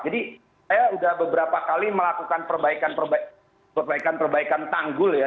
jadi saya sudah beberapa kali melakukan perbaikan perbaikan tanggul ya